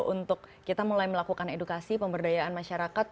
untuk kita mulai melakukan edukasi pemberdayaan masyarakat